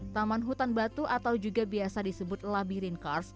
taman hutan batu atau juga biasa disebut labirin kars